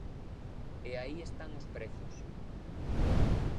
E aí están os prezos.